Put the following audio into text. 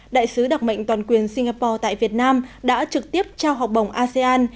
đại sứ đặc mệnh toàn quyền singapore tại việt nam đã trực tiếp trao học bổng asean